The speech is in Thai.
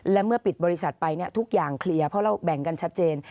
และเมื่อปิดบริษัทไปทุกอย่างเคลียร์เพราะเราแบ่งกันชัดเจน